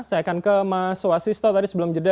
saya akan ke mas wasisto tadi sebelum jeda